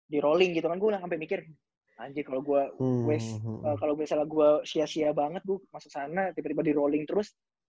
di rolling gitu kan gue sampe mikir anjir kalau gue sia sia banget gue masuk sana tiba tiba di rolling terus